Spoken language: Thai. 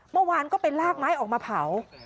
เมื่อวานก็ไปลากไม้ออกมาเผา